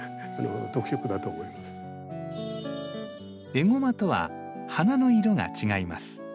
エゴマとは花の色が違います。